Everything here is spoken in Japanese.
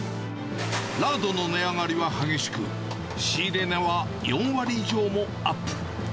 ラードの値上がりは激しく、仕入れ値は４割以上もアップ。